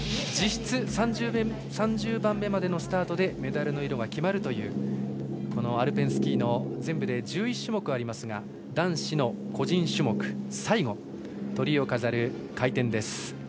実質３０番目までのスタートでメダルの色が決まるというアルペンスキーの全部で１１種目ありますが男子の個人種目、最後トリを飾る回転です。